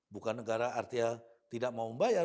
bukan negara artinya tidak mau membayar